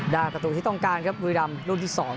ดาบประตูที่ต้องการครับวีรัมรุ่นที่สอง